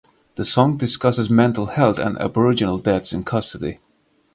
The song discusses mental health and Aboriginal deaths in custody.